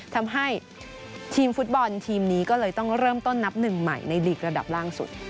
ทำให้ทีมฟุตบอลทีมนี้ก็เลยต้องเริ่มต้นนับหนึ่งใหม่ในลีกระดับล่างสุด